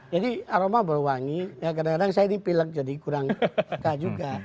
jadi aroma bau wangi ya kadang kadang saya dipileg jadi kurang juga